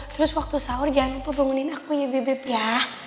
terus waktu sahur jangan lupa bangunin aku ya bibip ya